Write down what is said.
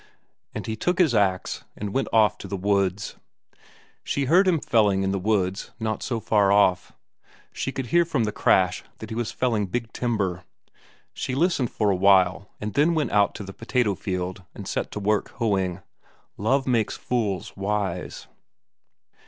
And he took his ax and went off to the woods. She heard him felling in the woods, not so far off; she could hear from the crash that he was felling big timber. She listened for a while, and then went out to the potato field and set to work hoeing. Love makes fools wise.